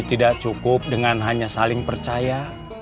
tidak cukup dengan hanya saling percaya